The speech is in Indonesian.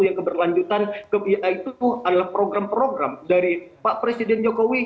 hal yang berkesan untuk keberlanjutan kebiayaan adalah program program dari pak presiden jokowi